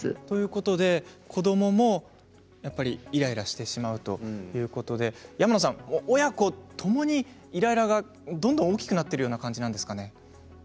ということで子どももやっぱりイライラしてしまうということで親子ともにイライラがどんどん大きくなっている感じなんですかね。